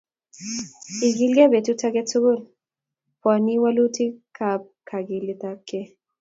Ikilgei petut age tugul pwani walutikap kakiletapkei